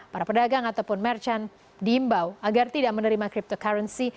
para pedagang ataupun merchant diimbau agar tidak menerima cryptocurrency